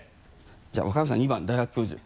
じゃあ若林さん２番大学教授。